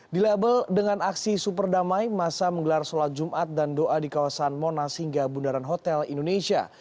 dilabel dengan aksi superdamai masa menggelar sholat jumat dan doa di kawasan monas hingga bundaran hotel indonesia